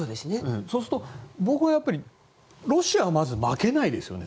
そうすると僕は、やっぱりロシアはまず負けないですよね